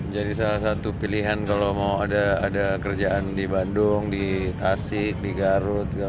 jadi salah satu pilihan kalau mau ada kerjaan di bandung di tasik di garut